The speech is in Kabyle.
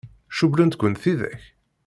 Cewwlent-ken tidak?